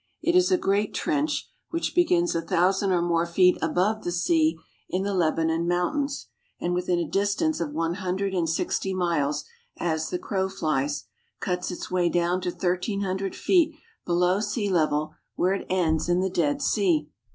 It is a great trench, which begins a thousand or more feet above the sea in the Lebanon Mountains, and within a distance of one hundred and sixty miles, as the crow flies, cuts its way down to thirteen hundred feet below sea level, where it ends in the Dead Sea.